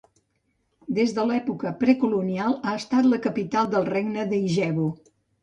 Des de l'època precolonial ha estat la capital del regne d'Ijebu.